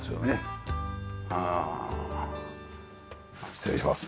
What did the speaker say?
失礼します。